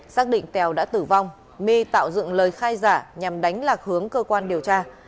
xác định tèo đã tử vong my tạo dựng lời khai giả nhằm đánh lạc hướng cơ quan điều tra